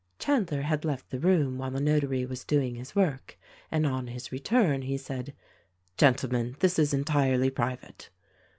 Chandler had left the room while the Notary was doing his work, and on his return he said: "Gentlemen, this is en tirely private."